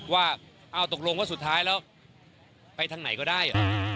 ว่าตกลงว่าสุดท้ายแล้วไปทางไหนก็ได้เหรอ